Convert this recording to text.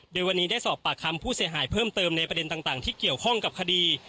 โดยวันนี้ได้สอบปากคำผู้เสียหายเพิ่มเติมในประเด็นต่างที่เกี่ยวข้องกับคดี